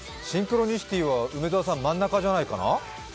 「シンクロニシティ」は梅澤さん真ん中じゃないかな？